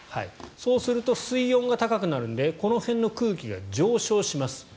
そうすると、水温が高くなるのでこの辺の空気が上昇します。